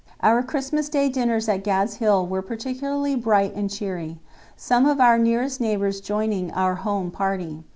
Our Christmas Day dinners at "Gad's Hill" were particularly bright and cheery, some of our nearest neighbours joining our home party.